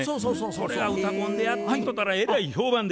これが「うたコン」でやっとったらえらい評判で。